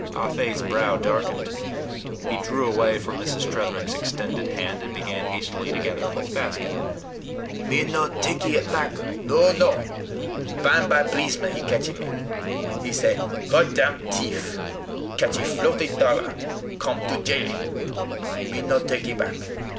Ah Fe's brow darkened. He drew away from Mrs. Tretherick's extended hand, and began hastily to gather up his basket. "Me no takee it back. No, no! Bimeby pleesman he catchee me. He say, 'God damn thief! catchee flowty dollar: come to jailee.' Me no takee back.